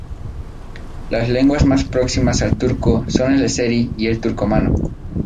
Las lenguas más próximas al turco son el azerí y el turcomano.